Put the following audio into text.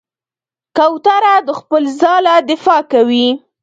کوتره د خپل ځاله دفاع کوي.